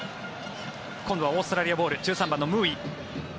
今度はオーストラリアボール１３番のムーイ。